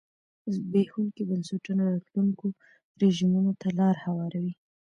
زبېښونکي بنسټونه راتلونکو رژیمونو ته لار هواروي.